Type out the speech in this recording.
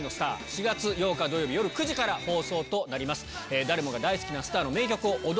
４月８日土曜日夜９時から放送となります。